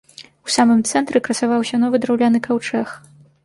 У самым цэнтры красаваўся новы драўляны каўчэг.